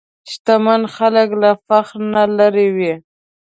شتمن خلک له فخر نه لېرې وي.